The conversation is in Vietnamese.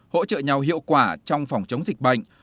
hỗ trợ nhau hiệu quả trong phòng chống dịch bệnh